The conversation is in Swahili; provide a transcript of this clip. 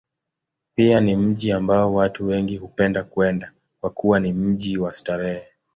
Pia ni mji ambao watu wengi hupenda kwenda, kwa kuwa ni mji wa starehe.